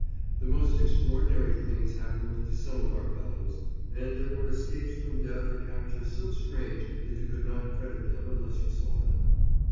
The most extraordinary things happened to some of our fellows, and there were escapes from death or capture so strange that you could not credit them unless you saw them.